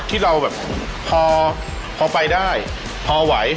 ที่เราแบบพอไปได้พอไหว